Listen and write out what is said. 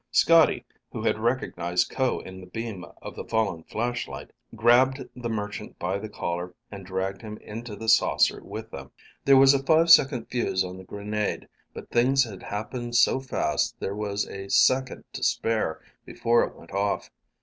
Scotty, who had recognized Ko in the beam of the fallen flashlight, grabbed the merchant by the collar and dragged him into the saucer with them. There was a five second fuse on the grenade, but things had happened so fast there was a second to spare before it went off.